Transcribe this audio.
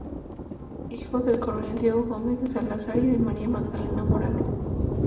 Hijo del coronel Diego Gómez de Salazar y de María Magdalena Morales.